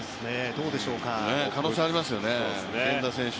可能性ありますよね、源田選手。